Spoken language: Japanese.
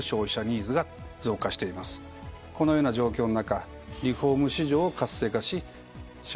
このような状況の中。